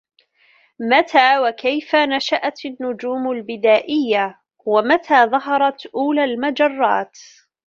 متى وكيف نشأت النجوم البدائية؟ ومتى ظهرت أولى المجرات؟